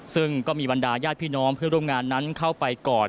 ซึ่งก็มีบรรดาญาติพี่น้องเพื่อนร่วมงานนั้นเข้าไปกอด